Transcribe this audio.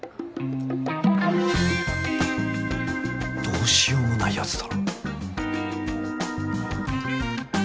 どうしようもない奴だな。